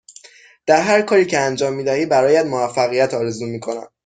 در هرکاری که انجام می دهی برایت موفقیت آرزو می کنم.